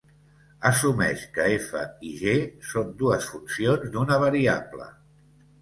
Assumeix que "f" i "g" són dues funcions d'una variable.